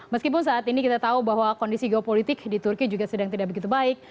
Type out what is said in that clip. meskipun saat ini kita tahu bahwa kondisi geopolitik di turki juga sedang tidak begitu baik